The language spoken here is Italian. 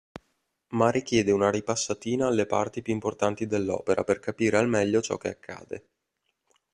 Ma richiede una ripassatina alle parti più importanti dell'opera per capire al meglio ciò che accade.